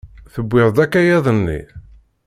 Tewwiḍ-d akayad-nni?